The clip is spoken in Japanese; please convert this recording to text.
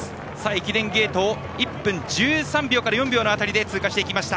駅伝ゲートを１分１３秒から１４秒で通過していきました。